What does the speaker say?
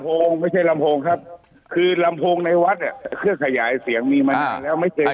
ไม่ใช่ลำโพงครับคือลำโพงในวัดอ่ะเครื่องขยายเสียงมีมานานแล้วไม่เจอ